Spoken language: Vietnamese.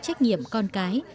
trách nhiệm con cái